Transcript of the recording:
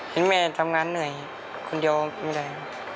เห็นแม่ทำงานเหนื่อยคนเดียวไม่ได้ครับ